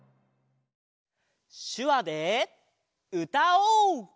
しゅわでうたおう！